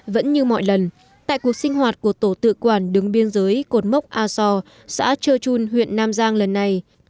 vẫn như mọi lần tại cuộc sinh hoạt của tổ tự quản đường biên giới cột mốc a so xã chơ chun huyện nam giang lần này